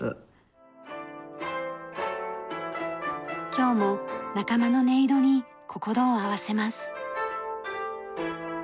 今日も仲間の音色に心を合わせます。